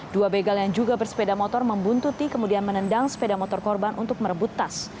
dua begal yang juga bersepeda motor membuntuti kemudian menendang sepeda motor korban untuk merebut tas